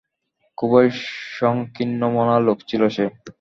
খুবই সংকীর্ণমনা লোক ছিল সে।